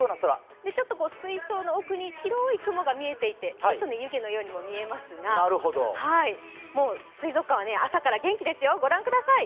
水槽の奥に白い雲が見えていて、ポットの湯気のようにも見えますが水族館は朝から元気ですよ、御覧ください。